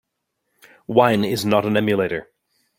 Wine is not an emulator.